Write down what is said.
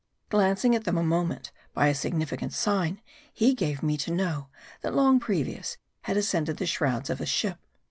Glancing at them a moment, by a significant sign, he gave me to know, that long previous he himself had ascended the shrouds of a ship.